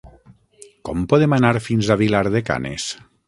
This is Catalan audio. Com podem anar fins a Vilar de Canes?